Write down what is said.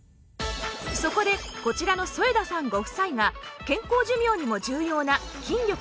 そこでこちらの添田さんご夫妻が健康寿命にも重要な筋力とバランスをチェック